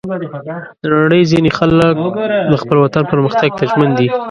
د نړۍ ځینې خلک د خپل وطن پرمختګ ته ژمن دي.